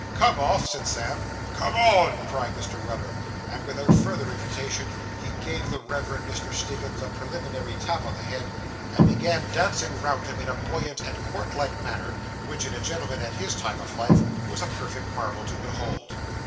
'Come off!' said Sam. 'Come on!' cried Mr. Weller; and without further invitation he gave the Reverend Mr. Stiggins a preliminary tap on the head, and began dancing round him in a buoyant and cork like manner, which in a gentleman at his time of life was a perfect marvel to behold.